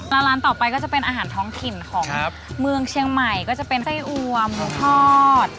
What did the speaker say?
แล้วร้านต่อไปก็จะเป็นอาหารท้องถิ่นของเมืองเชียงใหม่ก็จะเป็นไส้อวมหมูทอด